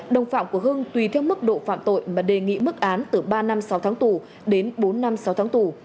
đồng phạm của hưng tùy theo mức độ phạm tội mà đề nghị mức án từ ba năm sáu tháng tù đến bốn năm sáu tháng tù